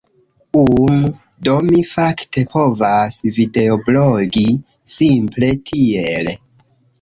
Um, do mi fakte povas videoblogi simple tiel.